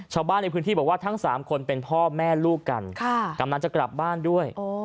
ชาวบ้านในพื้นที่บอกว่าทั้ง๓คนเป็นพ่อแม่ลูกกันกำลังจะกลับบ้านด้วย